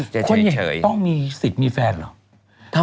คนใหญ่ต้องมีสิทธิ์มีแฟนเหรอ